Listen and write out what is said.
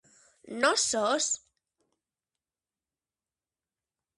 Nós sós?